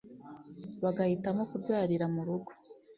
bagahitamo kubyarira mu ngo